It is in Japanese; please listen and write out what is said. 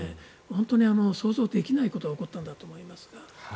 本当に想像できないことが起こったんだと思います。